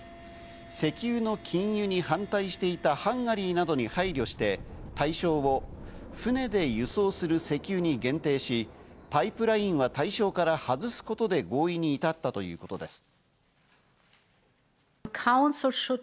石油の禁輸に反対していたハンガリーなどに配慮して、対象を船で輸送する石油に限定し、パイプラインは対象から外すことで合意に至ったということです。